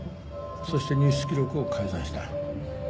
そして入室記録を改ざんした。